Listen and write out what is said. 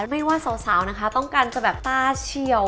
ไม่ว่าสาวนะคะต้องการจะแบบตาเฉียว